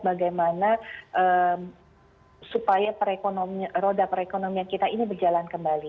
bagaimana supaya roda perekonomian kita ini berjalan kembali